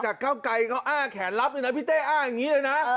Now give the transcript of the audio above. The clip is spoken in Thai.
จาก่าวไกลเขาอ้าแขนรับดินะพี่เต้อ้าอย่างนี้เลยน่ะ